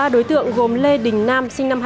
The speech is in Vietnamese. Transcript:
ba đối tượng gồm lê đình nam sinh năm hai nghìn